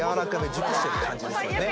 熟してる感じですよねわあ